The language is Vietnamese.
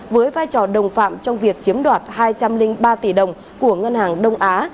với vai trò đồng phạm trong việc chiếm đoạt hai trăm linh ba tỷ đồng của ngân hàng đông á